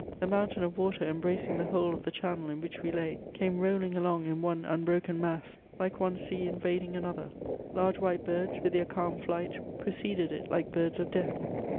The mountain of water, embracing the whole of the channel in which we lay, came rolling along in one unbroken mass, like one sea invading another ; large white birds, with their calm flight, pre ceded it like birds of death.